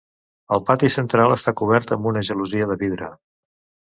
El pati central està cobert amb una gelosia de vidre.